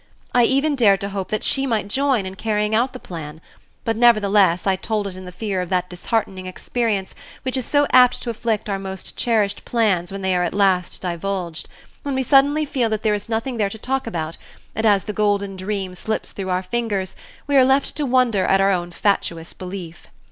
I even dared to hope that she might join in carrying out the plan, but nevertheless I told it in the fear of that disheartening experience which is so apt to afflict our most cherished plans when they are at last divulged, when we suddenly feel that there is nothing there to talk about, and as the golden dream slips through our fingers we are left to wonder at our own fatuous belief.